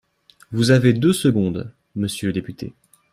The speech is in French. Vous avez deux secondes, monsieur le député.